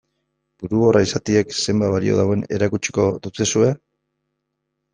Burugogorra izateak zenbat balio duen erakutsiko diozue?